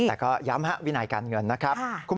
แต่ก็ย้ำวินัยการเงินนะครับ